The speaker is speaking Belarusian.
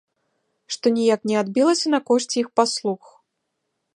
Што ніяк не адбілася на кошце іх паслуг.